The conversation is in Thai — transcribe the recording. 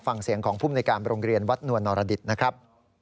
ฟังเสียงของภูมิในการโรงเรียนวัดนวลนรดิษฐ์นะครับ